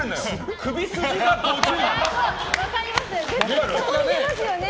首に出ますよね。